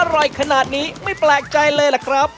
อร่อยขนาดนี้ไม่แปลกใจเลยล่ะครับ